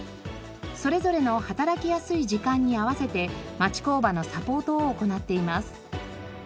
それぞれの働きやすい時間に合わせて町工場のサポートを行っています。